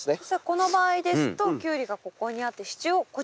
この場合ですとキュウリがここにあって支柱をこちら側に。